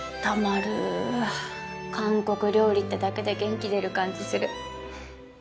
韓国料理ってだけで元気出る感じする。